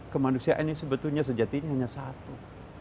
kemanusiaan ini sebetulnya sejatinya hanya satu